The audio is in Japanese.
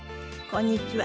こんにちは。